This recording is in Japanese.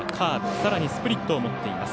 さらにスプリットを持っています。